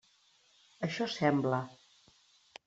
Això sembla.